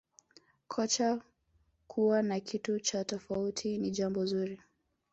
kocha kuwa na kitu cha tofauti ni jambo zuri